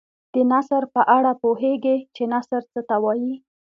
د نثر په اړه پوهیږئ چې نثر څه ته وايي.